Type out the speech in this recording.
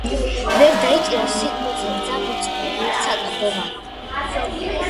ვერ დაიჭირავს სიკვდილსა გზა ვიწრო, ვერცა კლდოვანი